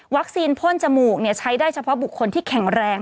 พ่นจมูกใช้ได้เฉพาะบุคคลที่แข็งแรง